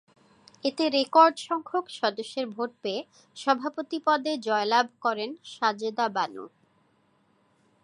এতে রেকর্ডসংখ্যক সদস্যের ভোট পেয়ে সভাপতি পদে জয়লাভ করেন সাজেদা বানু।